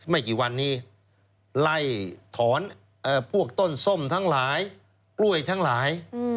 ไม่กี่วันนี้ไล่ถอนพวกต้นส้มทั้งหลายกล้วยทั้งหลาย